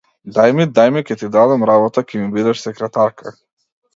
Дај ми, дај ми, ќе ти дадам работа, ќе ми бидеш секретарка!